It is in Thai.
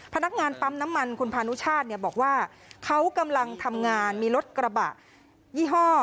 พนักงานปั๊มน้ำมันคุณพานุชาติเนี่ยบอกว่าเขากำลังทำงานมีรถกระบะยี่ห้อ